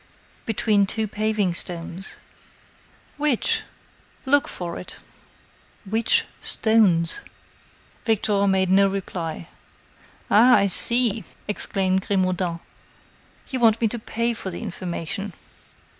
"Between two paving stones." "Which?" "Look for it." "Which stones?" Victor made no reply. "Ah; I see!" exclaimed Grimaudan, "you want me to pay for the information."